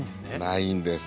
ないんです。